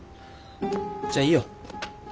じゃあいいよ。